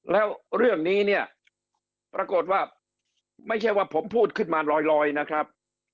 แล้วเรื่องนี้เนี่ยปรากฏว่าไม่ใช่ว่าผมพูดขึ้นมาลอยนะครับ